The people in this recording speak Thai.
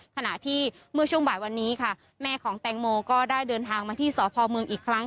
ขณะที่เมื่อช่วงบ่ายวันนี้ค่ะแม่ของแตงโมก็ได้เดินทางมาที่สพเมืองอีกครั้ง